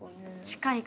近い？